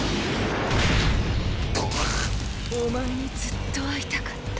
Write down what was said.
お前にずっと会いたかった。